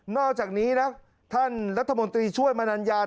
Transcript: อกจากนี้นะท่านรัฐมนตรีช่วยมานัญญา